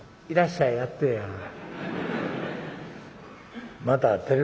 『いらっしゃい』やってえや。